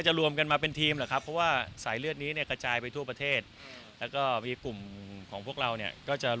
จะรวมกันมาเป็นทีมเหลือแล้วครับเพราะว่าสายเลือดนี้กระจายไปทั่วประเทศและก็กลุ่มของพวกเราเนี่ย